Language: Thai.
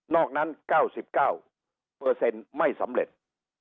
อกนั้น๙๙ไม่สำเร็จ